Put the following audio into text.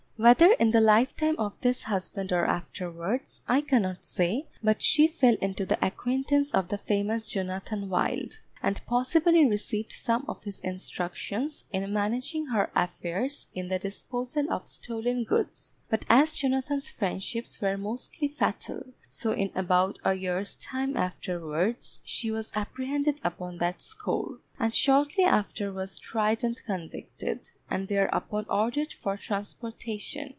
Whether in the life time of this husband or afterwards, I cannot say, but she fell into the acquaintance of the famous Jonathan Wild, and possibly received some of his instructions in managing her affairs in the disposal of stolen goods; but as Jonathan's friendships were mostly fatal, so in about a year's time afterwards she was apprehended upon that score, and shortly after was tried and convicted, and thereupon ordered for transportation.